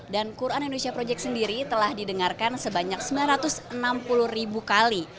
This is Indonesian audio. dan quran indonesia project sendiri telah didengarkan sebanyak sembilan ratus enam puluh ribu kali